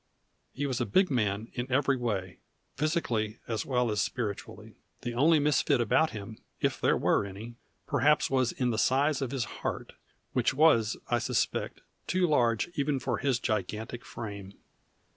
He was a big man in every way, physically as well as spiritually. The only misfit about him, if there were any, perhaps was in the size of his heart, which was, I suspect, too large even for his gigantic frame.